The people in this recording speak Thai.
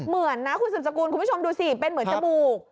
เหมือนนะคุณสุดสกุลคุณผู้ชมดูสิเป็นเหมือนจมูก